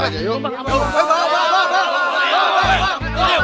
tidak perlu main hakim sendiri bang